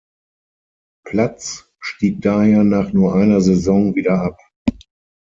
Platz, stieg daher nach nur einer Saison wieder ab.